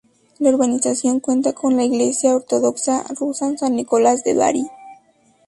La urbanización cuenta con la iglesia ortodoxa rusa San Nicolás de Bari.